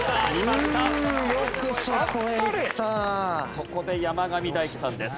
ここで山上大喜さんです。